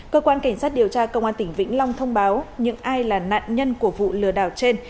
cơ quan cảnh sát điều tra công an tỉnh vĩnh long thông báo những ai là nạn nhân của vụ lừa đảo trên